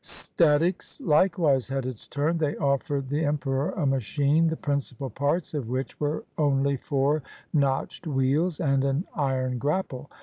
Statics likewise had its turn. They offered the em peror a machine the principal parts of which were only four notched wheels and an iron grapple.